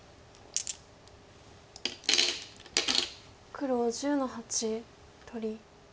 黒１０の八取り。